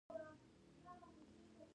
د دوی موټرې اوس ښه ډیزاین لري.